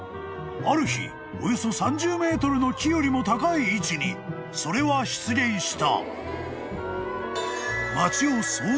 ［ある日およそ３０ｍの木よりも高い位置にそれは出現した］